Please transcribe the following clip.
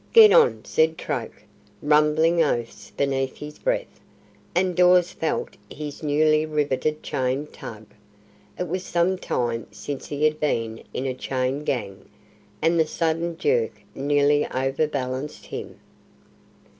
"Get on!" said Troke, rumbling oaths beneath his breath, and Dawes felt his newly riveted chain tug. It was some time since he had been in a chain gang, and the sudden jerk nearly overbalanced him.